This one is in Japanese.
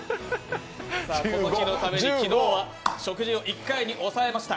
この日のために昨日は食事を１回に抑えました。